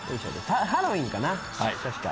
ハロウィーンかな確か。